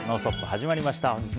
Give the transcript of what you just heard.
始まりました。